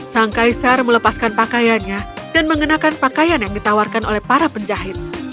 sang kaisar melepaskan pakaiannya dan mengenakan pakaian yang ditawarkan oleh para penjahit